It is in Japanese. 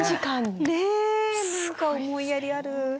ねえ何か思いやりある。